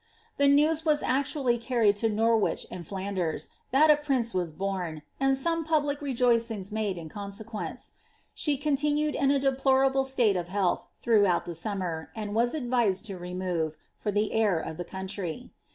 The news was actually carried to Norwich and Flanders, that a prince was born, and some public rejoicings made in conseqaeoce. She continued in a deplorable state of health throughout the summer, and was advised to remove, for the air of the country.